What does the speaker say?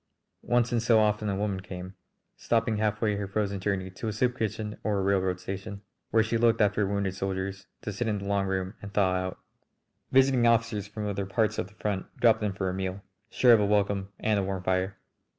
Once in so often a woman came, stopping halfway her frozen journey to a soup kitchen or a railroad station, where she looked after wounded soldiers, to sit in the long room and thaw out; visiting officers from other parts of the front dropped in for a meal, sure of a welcome and a warm fire.